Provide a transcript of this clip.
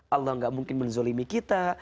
allah gak mungkin menzolimi kita